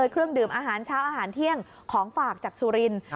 เครื่องดื่มอาหารเช้าอาหารเที่ยงของฝากจากสุรินทร์